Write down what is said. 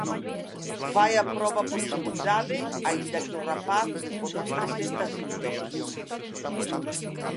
Fai a proba por seguridade, aínda que o rapaz non presenta síntomas.